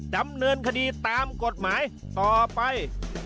ดำเนินคดีตามกฎหมายต่อไป